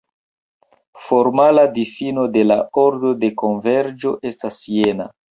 Formala difino de la ordo de konverĝo estas jena.